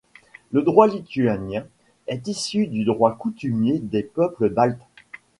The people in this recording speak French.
Le droit lituanien est issu du droit coutumier des peuples baltes.